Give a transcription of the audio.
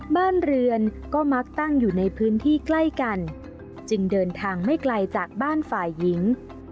บ้านเรือนก็มักตั้งอยู่ในพื้นที่ใกล้กันจึงเดินทางไม่ไกลจากบ้านฝ่ายหญิง